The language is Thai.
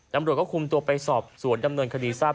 ตำรวจก็คุมตัวไปสอบสวนดำเนินคดีทราบ